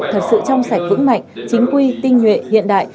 thật sự trong sạch vững mạnh chính quy tinh nhuệ hiện đại